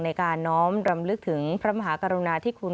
ในการน้อมรำลึกถึงพระมหากรุณาที่คุณ